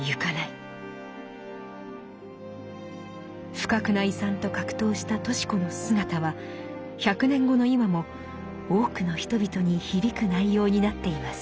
「不覚な違算」と格闘したとし子の姿は１００年後の今も多くの人々に響く内容になっています。